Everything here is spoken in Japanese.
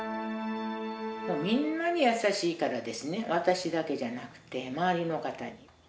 みんなに優しいからですね、私だけじゃなくて、周りの方に。